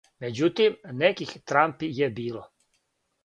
Међутим, неких трампи је било.